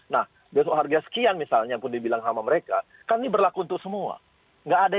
nah besok harga sekian misalnya pun dibilang sama mereka kan ini berlaku untuk semua